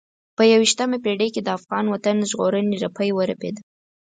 په یوه یشتمه پېړۍ کې د افغان وطن ژغورنې رپی ورپېده.